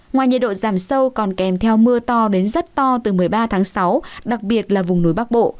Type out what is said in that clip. ngoài nhiệt độ giảm sâu còn kèm theo mưa to đến rất to từ một mươi ba tháng sáu đặc biệt là vùng núi bắc bộ